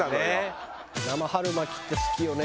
生春巻きって好きよね